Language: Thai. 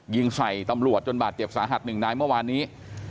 ยิงใส่ตำรวจจนบาดเจ็บสาหัสหนึ่งนายเมื่อวานนี้